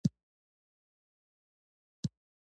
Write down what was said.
نور یې هېر سو چل د ځان د مړولو